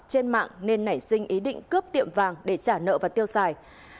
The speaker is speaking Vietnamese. trên mạng nên nảy sinh ý định cướp tiệm vàng để trả nợ và tiêu xài